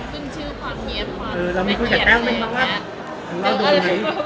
ประกาศ๗๐บาท